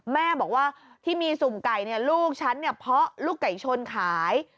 แม่บอกว่าที่มีสุ่มไก่ลูกฉันเนี่ยเพาะลูกไก่ชนขาย